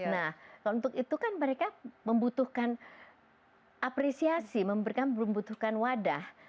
nah untuk itu kan mereka membutuhkan apresiasi membutuhkan wadah